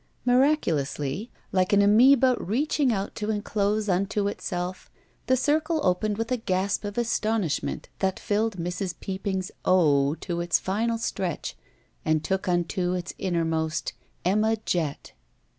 Miraculously, like an amoeba reaching out to inclose tmto itself, the circle opened with a gasp of astonishment that filled Mrs. Peopping's O to its final stretch and took unto its innermost Emma Jett.